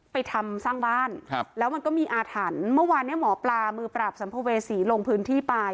ไปทำสร้างบ้านครับแล้วมันก็มีอาถรรพ์เมื่อวานเนี่ยหมอปลามือปราบสัมภเวษีลงพื้นที่ไป